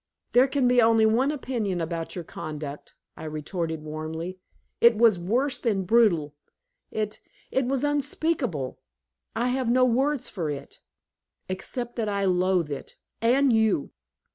"There can be only one opinion about your conduct," I retorted warmly. "It was worse than brutal. It it was unspeakable. I have no words for it except that I loathe it and you."